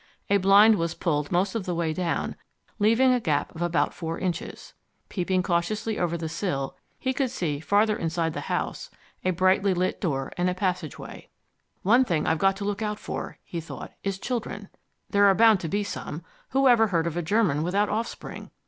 A blind was pulled most of the way down, leaving a gap of about four inches. Peeping cautiously over the sill, he could see farther inside the house a brightly lit door and a passageway. "One thing I've got to look out for," he thought, "is children. There are bound to be some who ever heard of a German without offspring?